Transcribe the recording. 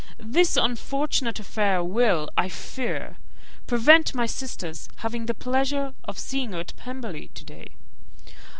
This unfortunate affair will, I fear, prevent my sister's having the pleasure of seeing you at Pemberley to day."